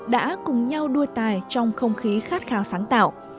đã cùng nhau đua tài trong không khí khát khao sáng tạo